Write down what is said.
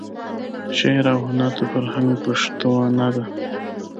شعر او هنر د فرهنګ پشتوانه ده.